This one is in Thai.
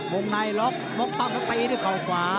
วงในล็อคมกต้ำแล้วตีด้วยเข้าขวา